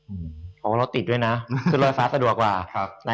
เพราะว่าเราติดด้วยนะคือรอยฟ้าสะดวกกว่า